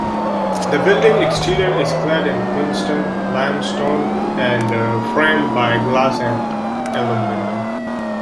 The building exterior is clad in Queenston limestone and framed by glass and aluminum.